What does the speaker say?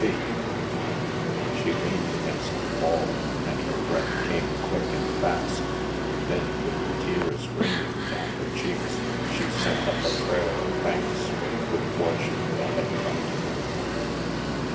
She leaned against the wall, and her breath came quick and fast. Then, with the tears raining down her cheeks, she sent up a prayer of thanks for the good fortune that had come to them.